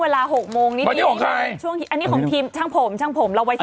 เอาไปทิศนี่แหละ